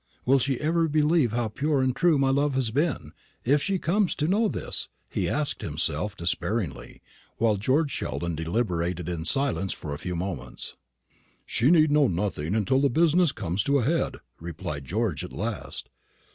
"Will she ever believe how pure and true my love has been, if she comes to know this?" he asked himself despairingly, while George Sheldon deliberated in silence for a few moments. "She need know nothing until the business comes to a head," replied George at last.